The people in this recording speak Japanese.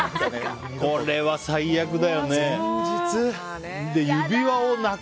これは最悪だよね。